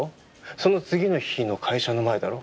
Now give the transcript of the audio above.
その次の日の会社の前だろ。